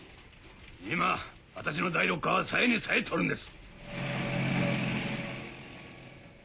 今私の第六感は冴えに冴えとるんです！